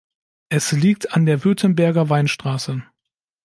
Es liegt an der Württemberger Weinstraße.